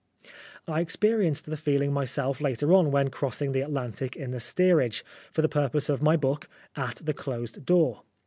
I experienced the feeling myself later on when crossing the Atlantic in the steerage, for the purpose of my book, At the Closed Door.